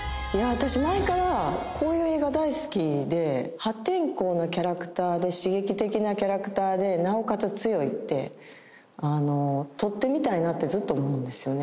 私前からこういう映画大好きで破天荒なキャラクターで刺激的なキャラクターでなおかつ強いって撮ってみたいなってずっと思うんですよね